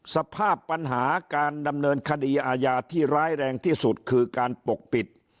สภาพปัญหาการดำเนินคดีอาญาที่ร้ายแรงที่สุดคือการปกปิด